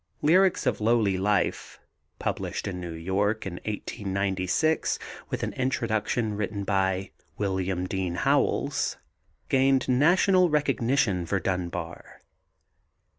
Lyrics of Lowly Life, published in New York in 1896 with an introduction written by William Dean Howells, gained national recognition for Dunbar.